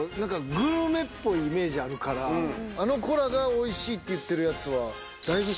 グルメっぽいイメージあるからあの子らが「おいしい」って言ってるやつはだいぶ。